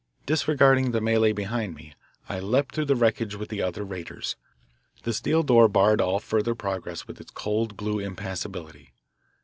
Disregarding the melee behind me, I leaped through the wreckage with the other raiders. The steel door barred all further progress with its cold blue impassibility.